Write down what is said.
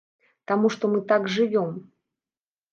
Таму што мы так жывём.